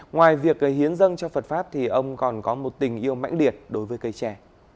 ngoài việc hiến dân cho phật pháp thì ông còn có một tình yêu mãnh điệt đối với cây tre